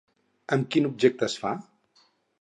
I amb quin objecte es fa?